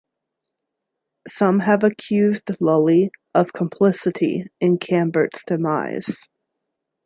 Some have accused Lully of complicity in Cambert's demise.